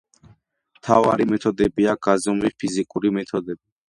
მთავარი მეთოდებია გაზომვის ფიზიკური მეთოდები.